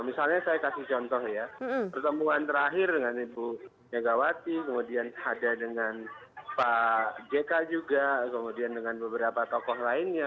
misalnya saya kasih contoh ya pertemuan terakhir dengan ibu megawati kemudian ada dengan pak jk juga kemudian dengan beberapa tokoh lainnya